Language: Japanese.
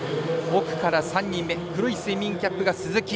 奥から３人目黒いスイミングキャップが鈴木。